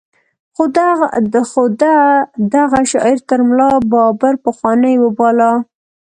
خو ده دغه شاعر تر ملا بابړ پخوانۍ وباله.